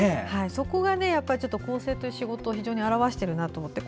そこがちょっと校正という仕事を非常に表しているなと思って。